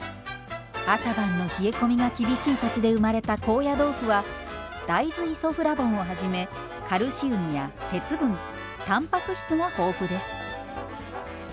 朝晩の冷え込みが厳しい土地で生まれた高野豆腐は大豆イソフラボンをはじめカルシウムや鉄分たんぱく質が豊富です。